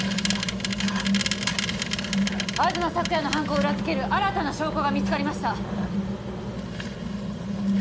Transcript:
東朔也の犯行を裏付ける新たな証拠が見つかりました